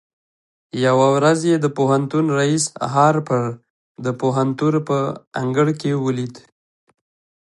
يوه ورځ يې د پوهنتون رئيس هارپر د پوهنتون په انګړ کې وليد.